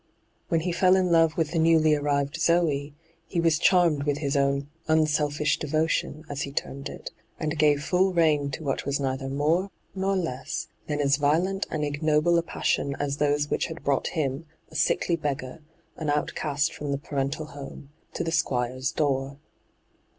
When he fell in love with the newly arrived Zoe, he was charmed with his own ' unselfish devotion,' as he termed it, and gave full rein to what was neither more nor less than as violent and ignoble a passion as those which had brought him, a sickly beggar, an outcast from the parental home, to the Squire's door.